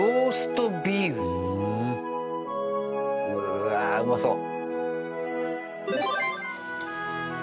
うわあうまそう。